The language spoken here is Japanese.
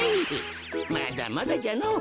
まだまだじゃのぉ。